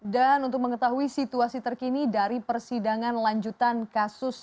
dan untuk mengetahui situasi terkini dari persidangan lanjutan kasus